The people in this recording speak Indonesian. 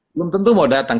belum tentu mau datang